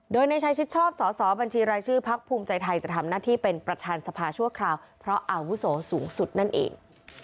โดยในชายชิดชอบสอสอบัญชีรายชื่อพักภูมิใจไทยจะทำหน้าที่เป็นประธานสภาชั่วคราวเพราะอาวุโสสูงสุดนั่นเอง